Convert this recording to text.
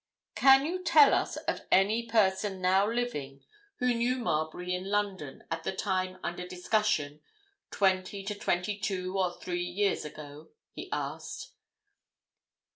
"Can you tell us of any person now living who knew Marbury in London at the time under discussion—twenty to twenty two or three years ago?" he asked.